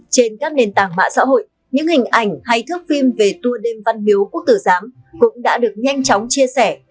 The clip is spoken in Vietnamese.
trên các nền tảng mạng xã hội những hình ảnh hay thước phim về tour đêm văn miếu quốc tử giám cũng đã được nhanh chóng chia sẻ